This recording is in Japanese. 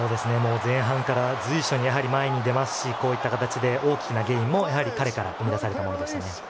前半から随所に前に出ますし大きなゲインも彼から生み出されたものでしたね。